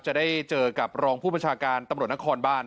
จะได้เจอกับรองผู้บัญชาการตำรวจนครบาน